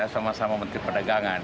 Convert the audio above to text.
iya saya sama sama menteri perdagangan